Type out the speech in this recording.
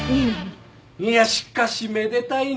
いやしかしめでたいね。